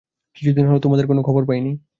কিছুদিন হল তোমাদের কোন খবর পাইনি।